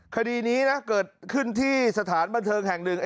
คดีนี้นะเกิดขึ้นที่สถานบันเทิงแห่งหนึ่ง